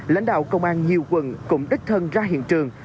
lãnh đạo công an nhiều quận cũng đích thân ra hiện trường